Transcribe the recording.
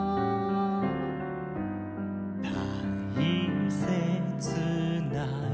「たいせつな夢」